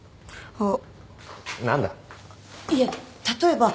あっ。